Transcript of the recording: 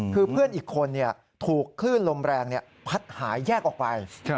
คือเพื่อนอีกคนถูกคลื่นลมแรงพัดหายแยกออกไป